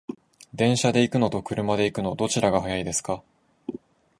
電車で行くのと車で行くの、どちらが早いですか？